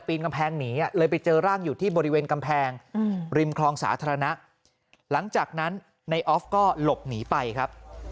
เพราะฉะนั้นนายออฟก็หลบหนีไปครับ